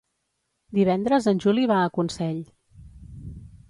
Divendres en Juli va a Consell.